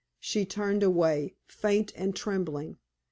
She turned away, faint and trembling.